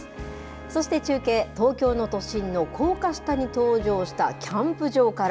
そして中継、東京の都心の高架下に登場したキャンプ場から。